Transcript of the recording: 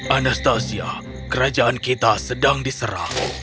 anastasia kerajaan kita sedang diserah